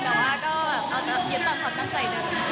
แต่ว่าก็เอาอยู่ต่อความตั้งใจหนึ่ง